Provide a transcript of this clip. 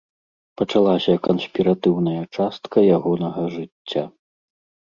Пачалася канспіратыўная частка ягонага жыцця.